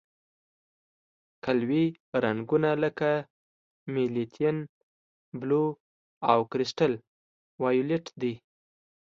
قلوي رنګونه لکه میتیلین بلو او کرسټل وایولېټ دي.